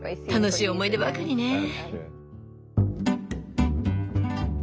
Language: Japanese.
楽しい思い出ばかりね。